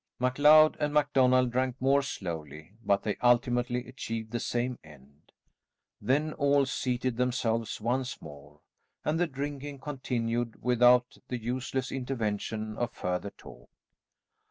MacLeod and MacDonald drank more slowly, but they ultimately achieved the same end. Then all seated themselves once more, and the drinking continued without the useless intervention of further talk.